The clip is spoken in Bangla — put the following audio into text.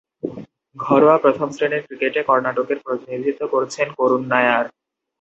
ঘরোয়া প্রথম-শ্রেণীর ক্রিকেটে কর্ণাটকের প্রতিনিধিত্ব করছেন করুণ নায়ার।